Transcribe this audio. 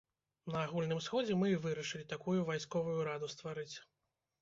На агульным сходзе мы і вырашылі такую вайсковую раду стварыць.